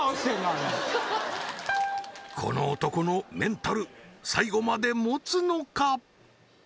あれこの男のメンタル最後までもつのか？